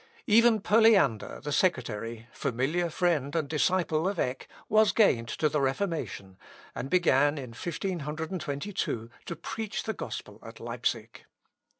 Even Poliander, the secretary, familiar friend and disciple of Eck, was gained to the Reformation, and began, in 1522, to preach the gospel at Leipsic.